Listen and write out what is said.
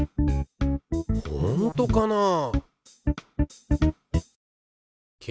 ほんとかなあ？